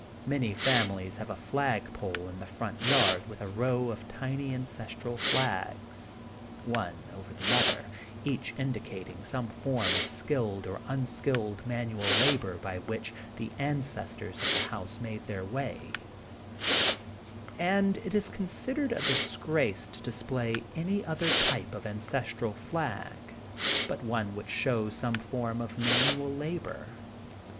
Many families have a flag pole in the front yard with a row of tiny ancestral flags, one over the other, each indicating some form of skilled or unskilled manual labor by which the ancestors of the house made their way, and it is considered a disgrace to display any other type of ancestral flag, but one which shows some form of manual labor.